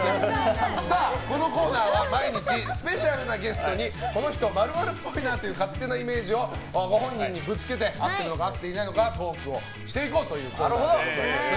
このコーナーは毎日スペシャルなゲストにこの人○○っぽいなという勝手なイメージをご本人にぶつけて合っているのか合っていないのかトークをしていこうというコーナーです。